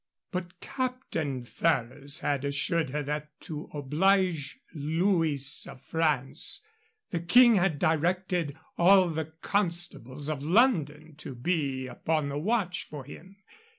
But Captain Ferrers had assured her that to oblige Louis of France, the King had directed all the constables of London to be upon the watch for him.